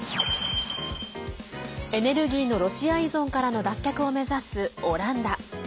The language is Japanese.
エネルギーのロシア依存からの脱却を目指すオランダ。